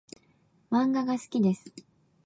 漫画が好きです。